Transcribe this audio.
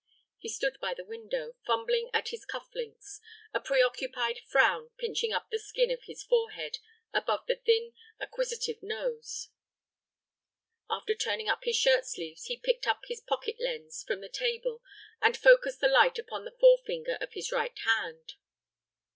He stood by the window, fumbling at his cuff links, a preoccupied frown pinching up the skin of his forehead above the thin, acquisitive nose. After turning up his shirt sleeves, he picked up a pocket lens from the table and focused the light upon the forefinger of his right hand.